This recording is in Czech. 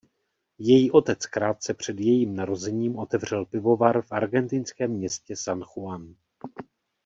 Její otec krátce před jejím narozením otevřel pivovar v argentinském městě San Juan.